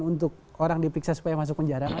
untuk orang diperiksa supaya masuk penjara